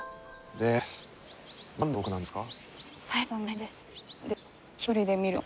で何で僕なんですか。